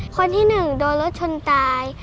คนที่๑โดนรถชนตาย